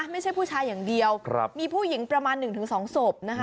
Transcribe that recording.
ไม่ใช่ผู้ชายอย่างเดียวมีผู้หญิงประมาณหนึ่งถึงสองศพนะคะ